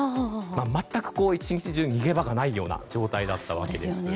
全く１日中、逃げ場がないような状態だったわけです。